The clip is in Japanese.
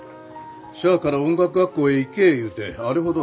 しゃあから音楽学校へ行けえ言うてあれほど。